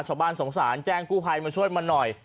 ชาวบ้านสงสารแจ้งกู้ภัยมาช่วยมาหน่อย